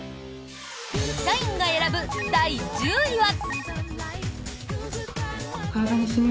社員が選ぶ第１０位は。